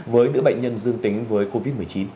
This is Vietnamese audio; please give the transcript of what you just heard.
với nữ bệnh nhân dương tính với covid một mươi chín